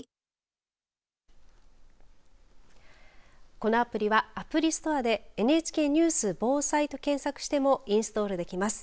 このアプリはアプリストアでＮＨＫニュース・防災と検索してもインストールできます。